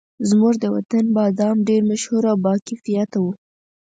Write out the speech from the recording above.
زموږ د وطن بادام ډېر مشهور او باکیفیته وو.